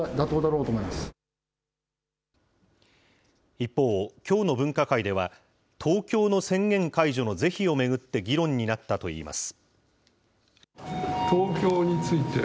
一方、きょうの分科会では、東京の宣言解除の是非を巡って議論になったといいます。